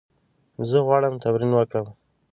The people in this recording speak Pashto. زه غواړم تمرین وکړم.